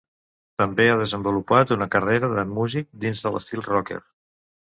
També ha desenvolupat una carrera de músic, dins de l'estil rocker.